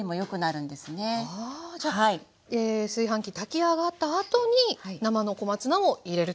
あじゃあ炊飯器炊き上がったあとに生の小松菜を入れると。